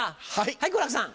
はい好楽さん。